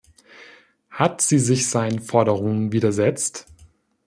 Hat sie sich seinen Forderungen widersetzt?